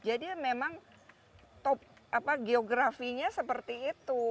jadi memang top apa geografinya seperti itu